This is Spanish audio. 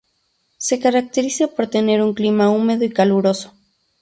Se caracteriza por tener un clima húmedo y caluroso.